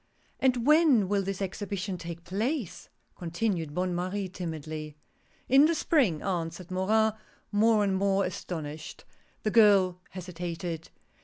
" And when will this Exhibition take place ?" con tinued Bonne Marie, timidly. "In the Spring," answered Morin, more and more astonished. The girl hesitated.